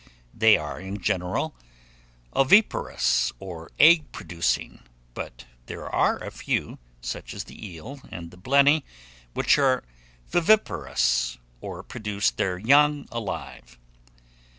They are in general oviparous, or egg producing; but there are a few, such as the eel and the blenny, which are viviparous, or produce their young alive.